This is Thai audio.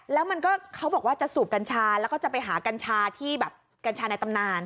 แล้วมันก็เขาบอกว่าจะสูบกัญชาแล้วก็จะไปหากัญชาที่แบบกัญชาในตำนาน